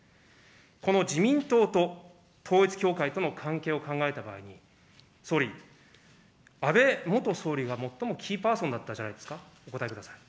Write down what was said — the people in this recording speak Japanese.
この自民党と、統一教会との関係を考えた場合に、総理、安倍元総理が最もキーパーソンだったじゃないですか。